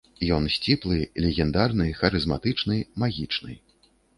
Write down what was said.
Ён сціплы, легендарны, харызматычны, магічны.